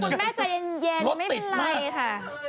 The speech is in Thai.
คุณแม่ใจเย็นไม่มีไรท่ะ